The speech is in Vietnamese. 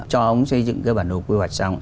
cho ông xây dựng cái bản đồ quy hoạch xong